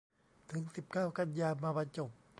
ถึงสิบเก้า กันยา มาบรรจบ